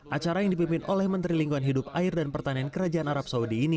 acara yang dipimpin oleh menteri lingkungan hidup air dan pertanian kerajaan arab saudi ini